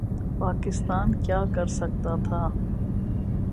پاکستان کیا کر سکتا تھا؟